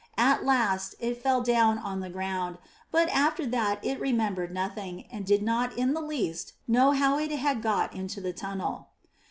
At last it fell down on the ground, but after that it remembered nothing, and did not in the least know how it had got into the tunnel.